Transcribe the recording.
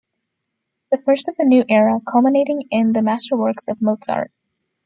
The first of the new era, culminating in the masterworks of Mozart.